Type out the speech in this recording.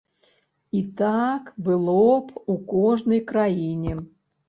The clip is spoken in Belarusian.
І так было б у кожнай краіне.